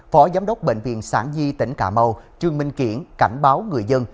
phó giám đốc bệnh viện sản di tỉnh cà mau trương minh kiển cảnh báo người dân